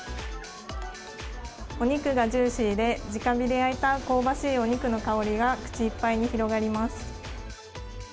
お肉がジューシーで、じか火で焼いた香ばしいお肉の香りが口いっぱいに広がります。